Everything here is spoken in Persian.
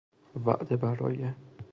وعده برای